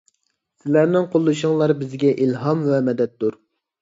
سىلەرنىڭ قوللىشىڭلار بىزگە ئىلھام ۋە مەدەتتۇر.